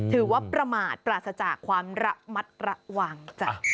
ถือว่าประมาทปราศจากความระมัดระวังจ้ะ